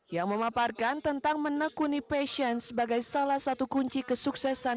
yang memaparkan tentang menekuni passion sebagai salah satu kunci kesuksesan